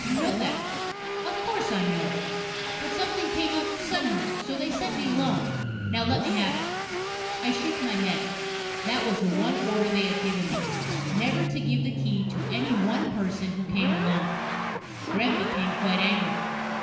You know that." "Of course, I know it. But something came up suddenly, so they sent me alone. Now, let me have it." I shook my head. That was the one order they had given me never to give the Key to any one person who came alone. Gremm became quite angry.